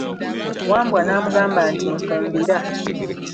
Wambwa namugamba nti, nfumbira.